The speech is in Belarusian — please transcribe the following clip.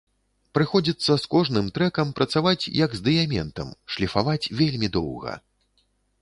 Прыходзіцца з кожным трэкам працаваць, як з дыяментам, шліфаваць вельмі доўга.